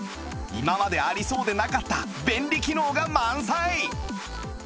今までありそうでなかった便利機能が満載！